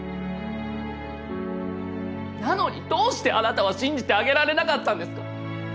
なのにどうしてあなたは信じてあげられなかったんですか？